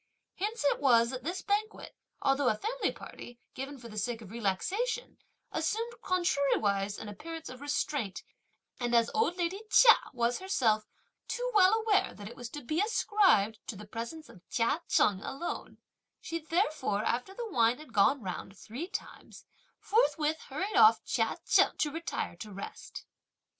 Hence it was that this banquet, although a family party, given for the sake of relaxation, assumed contrariwise an appearance of restraint, and as old lady Chia was herself too well aware that it was to be ascribed to the presence of Chia Cheng alone, she therefore, after the wine had gone round three times, forthwith hurried off Chia Cheng to retire to rest.